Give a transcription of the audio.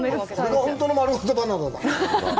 これが本当の「まるごとバナナ」だ。